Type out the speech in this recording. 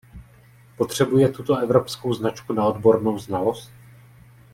Potřebuje tuto evropskou značku na odbornou znalost?